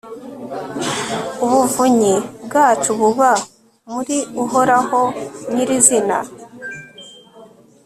ubuvunyi bwacu buba muri uhoraho nyirizina